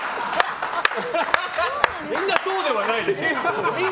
みんなそうではないでしょ！